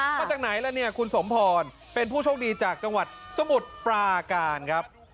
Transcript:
มาจากไหนล่ะเนี่ยคุณสมพรเป็นผู้โชคดีจากจังหวัดสมุทรปราการครับ